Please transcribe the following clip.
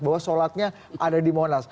bahwa sholatnya ada di monas